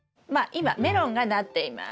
今メロンがなっています。